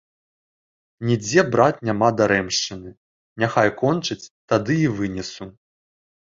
Нідзе, брат, няма дарэмшчыны, няхай кончыць, тады і вынесу.